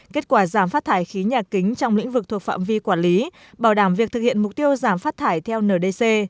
kết quả giảm phát thải khí nhà kính trong lĩnh vực thuộc phạm vi quản lý bảo đảm việc thực hiện mục tiêu giảm phát thải theo ndc